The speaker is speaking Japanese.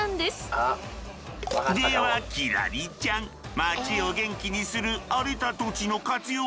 では輝星ちゃん町を元気にする荒れた土地の活用